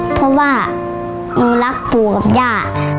เพราะว่าหนูรักปู่กับย่า